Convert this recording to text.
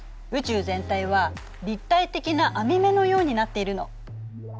宇宙全体は立体的な網目のようになっているの。